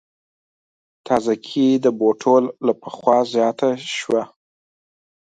تازګي د بوټو له پخوا زیاته شوه.